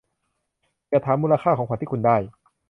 อย่าถามมูลค่าของขวัญที่คุณได้